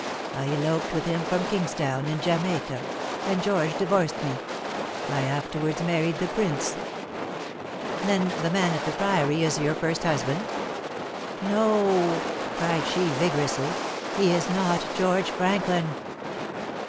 I eloped with him from Kingstown in Jamaica, and George divorced me. I afterwards married the Prince." "Then the man at the Priory is your first husband?" "No!" cried she vigorously. "He is not George Franklin."